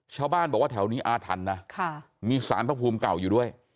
ชาวบ้านบอกว่าแถวนี้อาถรรพ์นะมีสารพระภูมิเก่าอยู่ด้วย